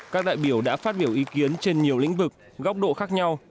các đại biểu đã phát biểu ý kiến trên nhiều lĩnh vực góc độ khác nhau